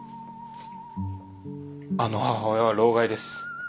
あの母親は労咳です。